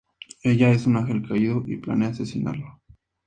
Ella es un ángel caído y planea asesinarlo.